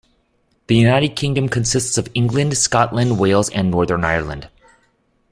The United Kingdom consists of England, Scotland, Wales and Northern Ireland.